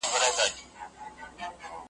په غزل کي مي هر توری نا آرام سو .